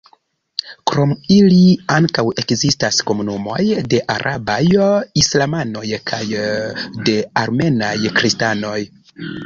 Krom ili ankaŭ ekzistas komunumoj de arabaj islamanoj kaj de armenaj kristanoj.